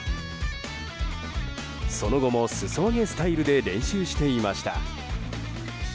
その後も裾上げスタイルで練習していました。